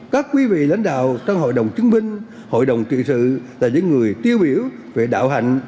các quý vị lãnh đạo trong hội đồng chứng binh hội đồng trị sự là những người tiêu biểu về đạo hạnh